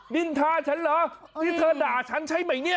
นินทาฉันเหรอนี่เธอด่าฉันใช่ไหมเนี่ย